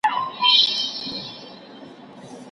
چي قلم مي له لیکلو سره آشنا سوی دی